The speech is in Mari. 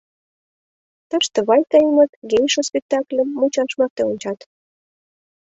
Тыште Вайкаимыт «Гейша» спектакльым мучаш марте ончат